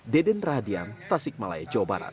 deden rahadian tasik malaya jawa barat